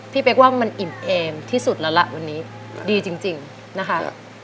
เป๊กว่ามันอิ่มเอมที่สุดแล้วล่ะวันนี้ดีจริงนะคะ